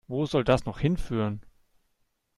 Wo soll das noch hinführen?